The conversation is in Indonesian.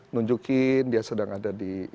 nunjukin dia sedang ada di